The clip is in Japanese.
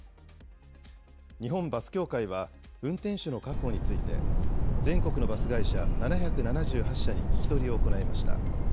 日本バス協会は、運転手の確保について、全国のバス会社７７８社に聞き取りを行いました。